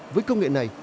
với công nghệ này